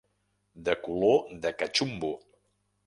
De color de catxumbo.